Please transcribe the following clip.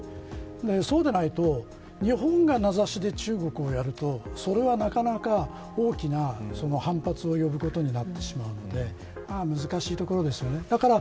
そうでないと日本が名指しで中国をやるとそれは大きな反発を呼ぶことになってしまうので難しいところですよね。